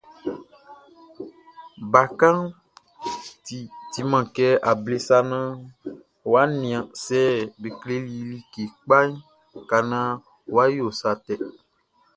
Bakanʼn timan kɛ able sa naan wʼa nian sɛ be kleli i like kpa ka naan wʼa yo sa tɛ.